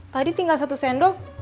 tadi tinggal satu sendok